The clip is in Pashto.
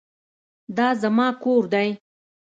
دا زما کور دی.